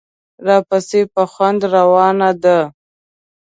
راپسې په خوند روانه ده.